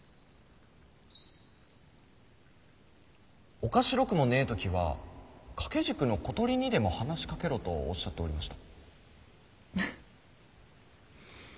「おかしろくもねぇ時は掛け軸の小鳥にでも話しかけろ」とおっしゃっておりました。